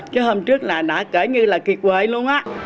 chứ hôm trước là đã kể như là kiệt quệ luôn á